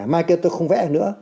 mai kia tôi không vẽ nữa